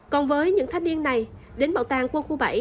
còn với những thanh niên này đến bảo tàng quân khu bảy